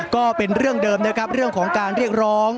ก็เป็นเรื่องเดิมนะครับเรื่องของการเรียกร้อง